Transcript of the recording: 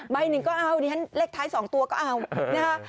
ใบหนึ่งก็เอานี่ฉะนั้นเล็กท้าย๒ตัวก็เอานะฮะ